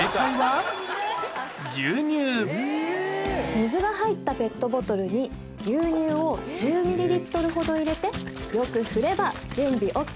水が入ったペットボトルに牛乳を１０ｍほど入れてよく振れば準備ＯＫ。